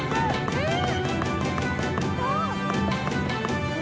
えっ！